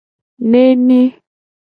Nemi.